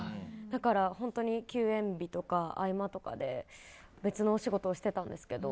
だから、休演日とか合間とかで別のお仕事をしていたんですけど。